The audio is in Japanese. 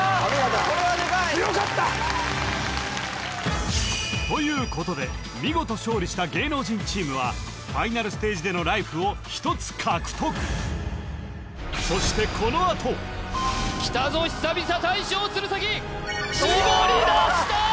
これはデカい強かったということで見事勝利した芸能人チームはファイナルステージでのライフを１つ獲得そしてこのあと鶴崎が！